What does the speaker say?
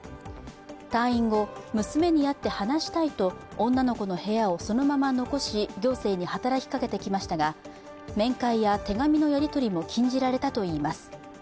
退院後、娘に会って話したいと女の子の部屋をそのまま残し、行政に働きかけてきましたが、面会や手紙のやり取りも禁じられたといいます。